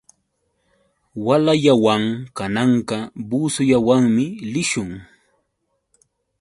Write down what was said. Walallawan kananqa busullawanmi lishun.